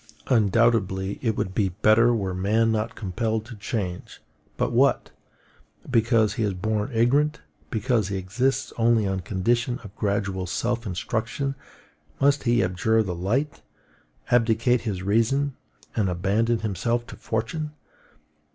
Undoubtedly it would be better were man not compelled to change: but what! because he is born ignorant, because he exists only on condition of gradual self instruction, must he abjure the light, abdicate his reason, and abandon himself to fortune?